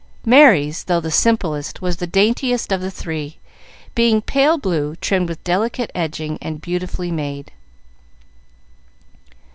Merry's, though the simplest, was the daintiest of the three, being pale blue, trimmed with delicate edging, and beautifully made.